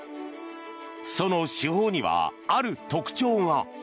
その手法にはある特徴が。